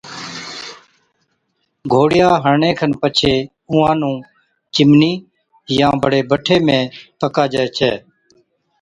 گھوڙِيان هڻڻي کن پڇي اُونهان نُون چِمنِي يان بڙي بٺي ۾ پڪاجَي ڇَي